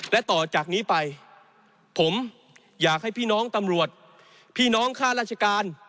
และต่อจากนี้ไปผมอยากให้พี่น้องตำรวจพี่น้องค่าราชการ